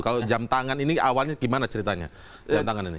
kalau jam tangan ini awalnya gimana ceritanya